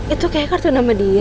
itu kayaknya kartu nama dia